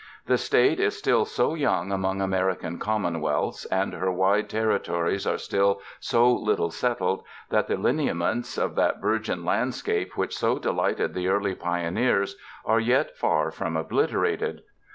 The State is still so young among American Commonwealths and her wide ter ritories are still so little settled, that the lineaments of that virgin landscape which so delighted the early pioneers, are yet far from obliterated.